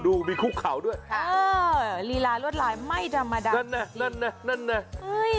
ดูมีคุกขาวด้วยเออลีลารวดหลายไม่ธรรมดานั่นแน่